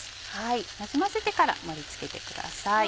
なじませてから盛り付けてください。